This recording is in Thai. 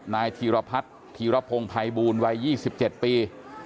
นายธีรพัทธ์ธีรพงภัยบูรณ์วัย๒๗ปี